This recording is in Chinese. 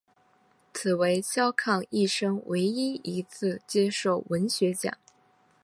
此为萧沆一生唯一一次接受文学奖。